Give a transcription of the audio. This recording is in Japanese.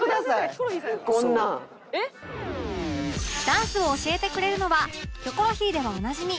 ダンスを教えてくれるのは『キョコロヒー』ではおなじみ